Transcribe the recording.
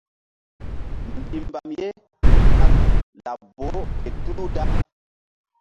Mbihmbam ye kal laɓ boh ke tulu da.